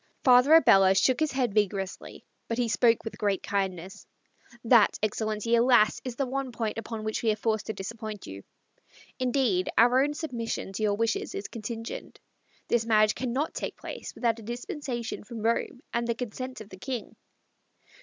Father Abella shook his head vigorously, but he spoke with great kindness. "That, Excellency, alas, is the one point upon which we are forced to disappoint you. Indeed, our own submission to your wishes is contingent. This marriage cannot take place without a dispensation from Rome and the consent of the King."